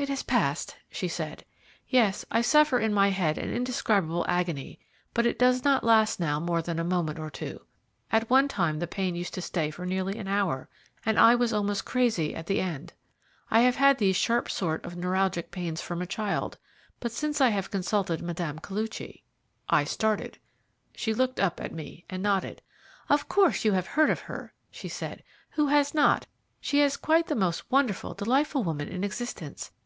"It has passed," she said. "Yes, I suffer in my head an indescribable agony, but it does not last now more than a moment or two. At one time the pain used to stay for nearly an hour, and I was almost crazy at the end. I have had these sharp sort of neuralgic pains from a child, but since I have consulted Mme. Koluchy " I started. She looked up at me and nodded. "Of course you have heard of her," she said; "who has not? She is quite the most wonderful, delightful woman in existence.